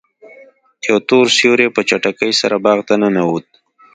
یو تور سیوری په چټکۍ سره باغ ته ننوت.